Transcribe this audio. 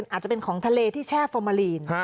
อาจจะเป็นของทะเลที่แช่ฟอร์มาลีน